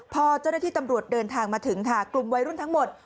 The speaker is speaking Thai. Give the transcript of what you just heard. พอเจ้าหน้าที่ตำรวจเดินทางมาถึงค่ะกลุ่มวัยรุ่นทั้งหมด